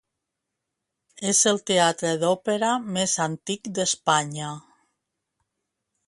És el teatre d'òpera més antic d'Espanya.